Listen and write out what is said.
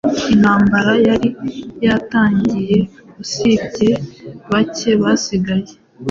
Intambara yari yatangiyeusibye bake basigaye